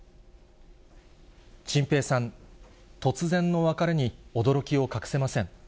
チンペイさん、突然の別れに驚きを隠せません。